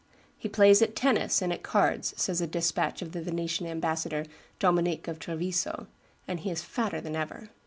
"He plays at tennis and at cards," says a despatch of the Venetian ambassador, Dominic of Treviso, "and he is fatter than ever."